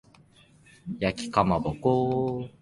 焼きかまぼこ